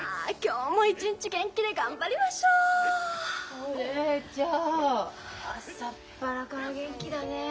お姉ちゃん朝っぱらから元気だね。